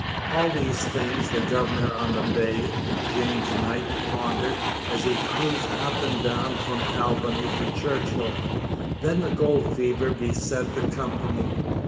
All these things the governor on the Bay, James Knight, pondered, as he cruised up and down from Albany to Churchill. Then the gold fever beset the Company.